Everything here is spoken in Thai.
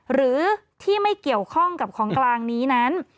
หรือที่ไม่เกี่ยวข้องกับของกลางนี้นั้น